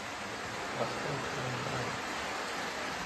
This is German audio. Was fällt denen ein?